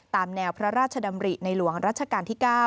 ตามแนวพระราชดำริในหลวงรัชกาลที่๙